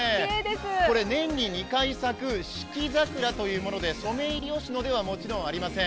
これ年に２回咲く四季桜というものでソメイヨシノではもちろんありません。